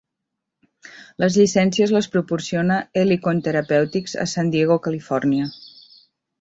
Les llicències les proporciona Helicon Therapeutics a San Diego, Califòrnia.